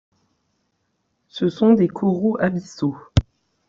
Ce sont des coraux abyssaux.